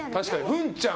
ふんちゃん